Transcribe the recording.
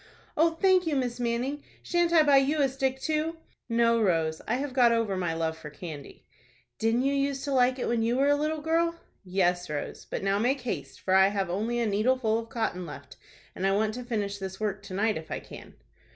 "Oh, thank you, Miss Manning. Shan't I buy you a stick too?" "No, Rose, I have got over my love for candy." "Didn't you use to like it when you were a little girl?" "Yes, Rose; but now make haste, for I have only a needleful of cotton left, and I want to finish this work to night, if I can."